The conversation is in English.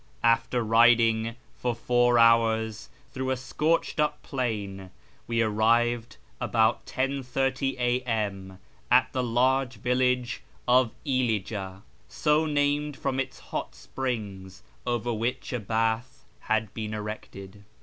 After riding for four hours through a scorched up plain, we arrived about 10.30 a.m. at the large village of Ilija, so named from its hot springs, over which a bath has been erected.